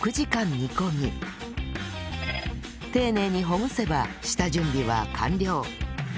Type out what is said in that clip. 煮込み丁寧にほぐせば下準備は完了